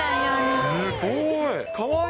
すごい。